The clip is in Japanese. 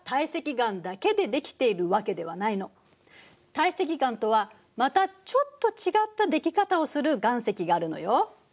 堆積岩とはまたちょっと違ったでき方をする岩石があるのよ。